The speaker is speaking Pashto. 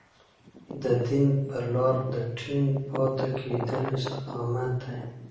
د دين پر لار د ټينګ پاتې کېدل استقامت دی.